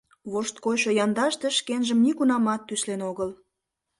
Вошткойшо яндаште шкенжым нигунамат тӱслен огыл.